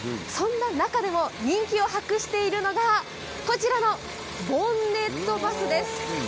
そんな中でも人気を博しているのがこちらのボンネットバスです。